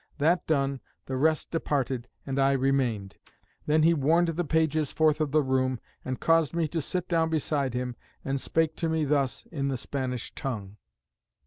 That done, the rest departed, and I remained. Then he warned the pages forth of the room, and caused me to sit down beside him, and spake to me thus in the Spanish tongue.